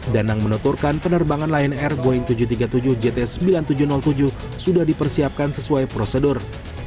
danang menuturkan penerbangan lion air boeing tujuh ratus tiga puluh tujuh jt sembilan ribu tujuh ratus tujuh sudah dipersiapkan sesuai prosedur